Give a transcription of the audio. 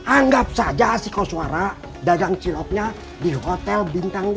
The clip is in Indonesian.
anggap saja si kau suara dagang ciloknya di hotel bintang lima